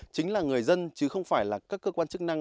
chính là người dân chứ không phải là các cơ quan chức năng